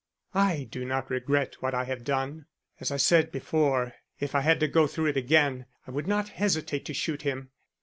'" "I do not regret what I have done. As I said before, if I had to go through it again I would not hesitate to shoot him.